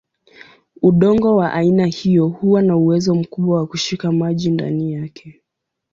Udongo wa aina hiyo huwa na uwezo mkubwa wa kushika maji ndani yake.